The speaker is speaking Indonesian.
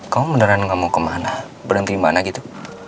kau beneran gak mau kemana berhenti gimana gitu